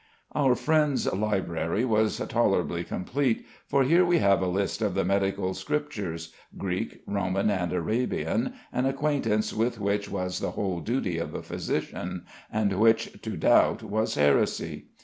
Our friend's library was tolerably complete, for here we have a list of the medical "scriptures," Greek, Roman, and Arabian, an acquaintance with which was the whole duty of a physician, and which to doubt was heresy.